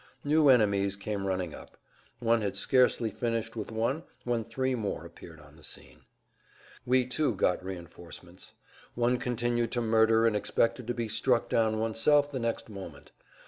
New enemies came running up. One had scarcely finished with one when three more appeared on the scene. We, too, got reinforcements. One continued to murder and expected to be struck down oneself the next moment.